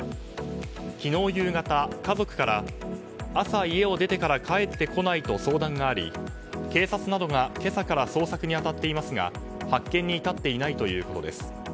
昨日夕方、家族から朝、家を出てから帰ってこないと相談があり警察などが今朝から捜索に当たっていますが発見に至っていないということです。